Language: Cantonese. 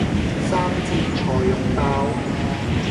生煎菜肉包